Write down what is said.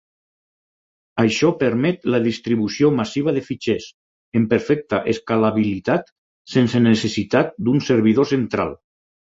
Això permet la distribució massiva de fitxers, en perfecta escalabilitat, sense necessitat d'un servidor central.